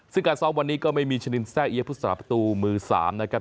ซึ่งการซ้อมวันนี้ก็ไม่มีชะนินแซ่เอี๊ยพุทธศาประตูมือ๓นะครับ